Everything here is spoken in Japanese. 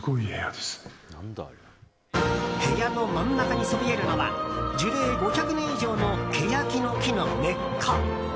部屋の真ん中にそびえるのは樹齢５００年以上のケヤキの木の根っこ。